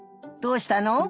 どうしたの？